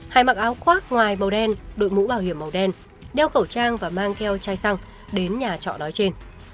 hải mặc áo khoác ngoài màu đen đôi mũ bảo hiểm màu đen đeo khẩu trang và mang theo chai xăng đến nhà trọ đói trên